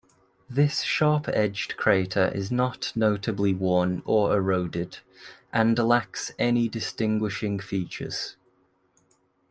This sharp-edged crater is not notably worn or eroded, and lacks any distinguishing features.